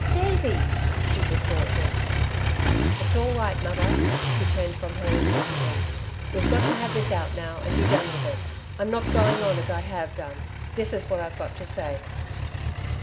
"Davey!" she besought him. "It's all right, mother," he turned from her, impatiently. "We've got to have this out now and be done with it. I'm not going on as I have done. This is what I've got to say."